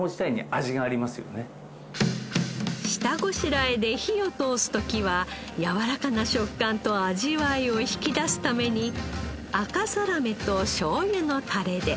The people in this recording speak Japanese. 下ごしらえで火を通す時はやわらかな食感と味わいを引き出すために赤ざらめとしょうゆのタレで。